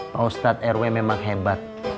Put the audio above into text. pak ustadz rw memang hebat